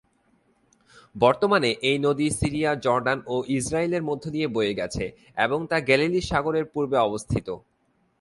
বর্তমানে এই নদী সিরিয়া, জর্ডান ও ইসরায়েলের মধ্য দিয়ে বয়ে গেছে এবং তা গ্যালিলি সাগরের পূর্বে অবস্থিত।